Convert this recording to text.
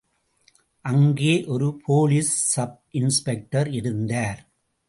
அங்கே ஒரு police sub inspector இருந்தார்.